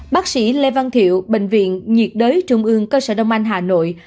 bác sĩ lê văn thiệu bệnh viện nhiệt đới trung ương cơ sở đông anh hà nội